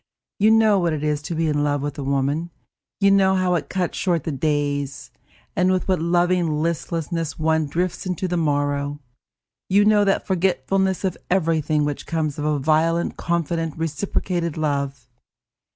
You know what it is to be in love with a woman, you know how it cuts short the days, and with what loving listlessness one drifts into the morrow. You know that forgetfulness of everything which comes of a violent confident, reciprocated love.